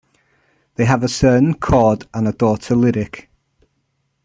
They have a son, Chord, and a daughter, Lyric.